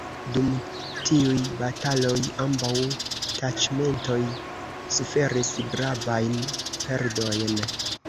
Dum tiuj bataloj ambaŭ taĉmentoj suferis gravajn perdojn.